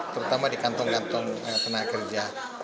terutama di kantong kantong tenaga kerja